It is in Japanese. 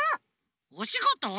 おしごと？